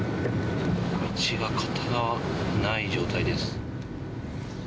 道が片側ない状態です。